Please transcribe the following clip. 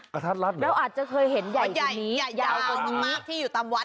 กะทัดรัดเหรออ่าอยู่ตามวัด